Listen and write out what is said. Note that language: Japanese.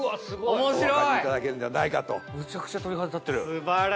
面白い。